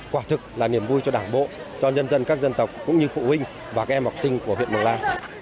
quả thực là niềm vui cho đảng bộ cho nhân dân các dân tộc cũng như phụ huynh và các em học sinh của huyện mường la